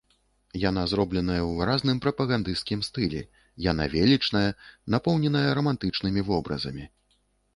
Яна зробленая ў выразным прапагандысцкім стылі, яна велічная, напоўненая рамантычнымі вобразамі.